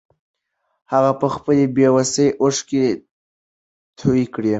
هغه په خپلې بې وسۍ اوښکې توې کړې.